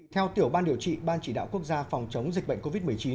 theo tiểu ban điều trị ban chỉ đạo quốc gia phòng chống dịch bệnh covid một mươi chín